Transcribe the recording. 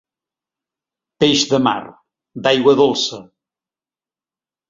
Peix de mar, d'aigua dolça.